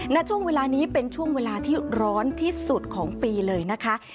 ณช่วงเวลานี้เป็นช่วงเวลาที่ร้อนที่สุดของปีเลยนะคะ